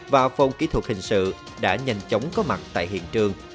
và phòng kỹ thuật hình sự đã nhanh chóng có mặt tại hiện trường